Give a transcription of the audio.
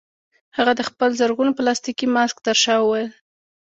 هغه د خپل زرغون پلاستيکي ماسک ترشا وویل